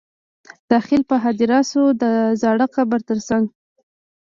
داخل په هدیره شو د زاړه قبر تر څنګ.